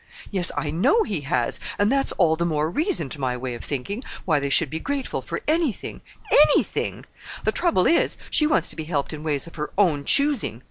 "Yes, I know he has; and that's all the more reason, to my way of thinking, why they should be grateful for anything—anything! The trouble is, she wants to be helped in ways of her own choosing.